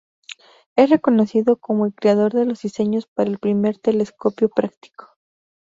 Es reconocido como el creador de los diseños para el primer telescopio práctico.